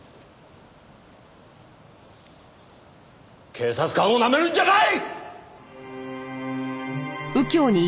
警察官をなめるんじゃない！